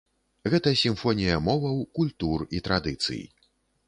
Гэта сімфонія моваў, культур і традыцый.